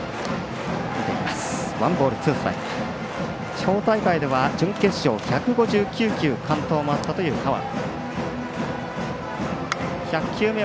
地方大会では準決勝で１５９球完投もあったという河野。